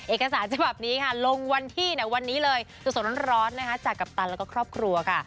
เอกสารฉบับนี้ค่ะลงวันที่วันนี้เลยสดร้อนนะคะจากกัปตันแล้วก็ครอบครัวค่ะ